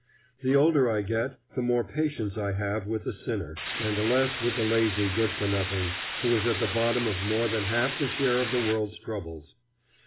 The older I get, the more patience I have with the sinner, and the less with the lazy good for nothing who is at the bottom of more than half the share of the world's troubles.